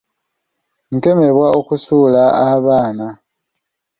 Nkemebwa okusuula abaana.